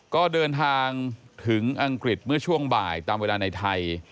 ก็เดินทางถึงอังกฤษเมื่อช่วงบ่ายตามเวลาในไทย